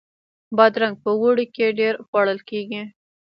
بادرنګ په اوړي کې ډیر خوړل کیږي